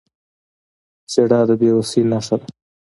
• ژړا د بې وسۍ نښه ده.